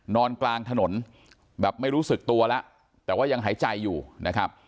นอนกลางถนนแบบไม่รู้สึกตัวแล้วแต่ว่ายังหายใจอยู่นะครับ